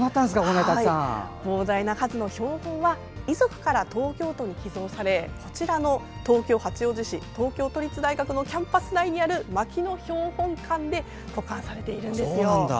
膨大な数の標本は遺族から東京都に寄贈され東京・八王子市の東京都立大学のキャンパス内にある牧野標本館で保管されているんです。